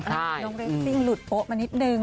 น้องเรสซิ่งหลุดโป๊ะมานิดนึง